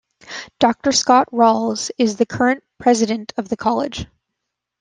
Doctor Scott Ralls is the current president of the College.